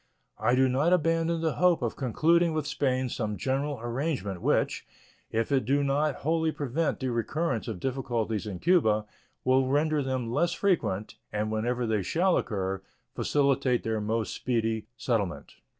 I do not abandon the hope of concluding with Spain some general arrangement which, if it do not wholly prevent the recurrence of difficulties in Cuba, will render them less frequent, and, whenever they shall occur, facilitate their more speedy settlement.